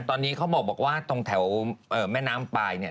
ตอนนี้เขาบอกว่าตรงแถวแม่น้ำปลายเนี่ย